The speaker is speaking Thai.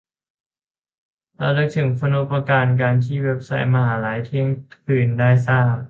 ระลึกถูกคุณูปการที่เว็บไซต์มหาวิทยาลัยเที่ยงคืนได้สร้าง